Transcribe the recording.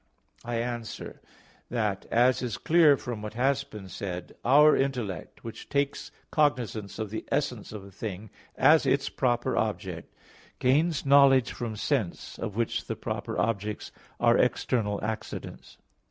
I answer that, As is clear from what has been said (Q. 17, A. 3), our intellect, which takes cognizance of the essence of a thing as its proper object, gains knowledge from sense, of which the proper objects are external accidents.